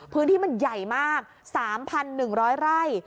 พื้นที่มันใหญ่มาก๓๑๐๐ไร่